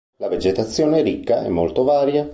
La vegetazione è ricca e molto varia.